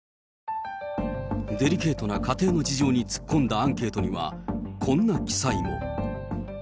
デリケートな家庭の事情に突っ込んだアンケートには、こんな記載も。